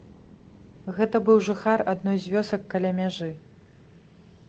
Гэта быў жыхар адной з вёсак каля мяжы.